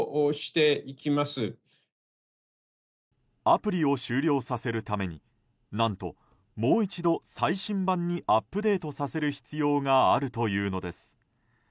アプリを終了させるために何と、もう一度最新版にアップデートさせる必要があるというのです。